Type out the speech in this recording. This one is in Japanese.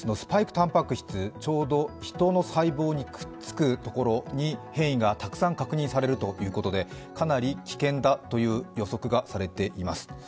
たんぱく質ちょうどヒトの細胞にくっつくところに変異がたくさん確認されるということで、かなり危険だという予測がされています。